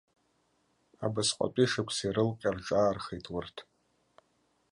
Абасҟатәи шықәса ирылҟьа рҿаархеит урҭ.